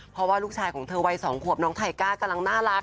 เพราะว่าลูกชายของเธอวัย๒ขวบน้องไทก้ากำลังน่ารัก